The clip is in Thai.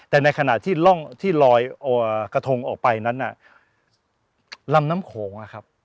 แต่ในขณะที่ร่องที่ลอยกระทงออกไปนั้นน่ะลำน้ำโขงนะครับ